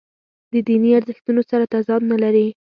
له دیني ارزښتونو سره تضاد نه لري.